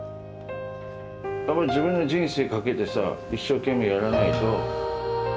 やっぱり自分の人生かけてさ一生懸命やらないと。